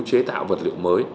chế tạo vật liệu mới